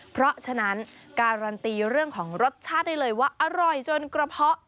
เพราะฉะนั้นการันตีเรื่องของรสชาติได้เลยว่าอร่อยจนกระเพาะ